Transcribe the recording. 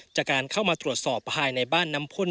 จากการเข้ามาตรวจสอบภายในบ้านน้ำพ่น